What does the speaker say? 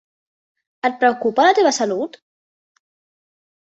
Et preocupa la teva salut?